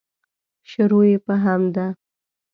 شروع یې په حمد ده.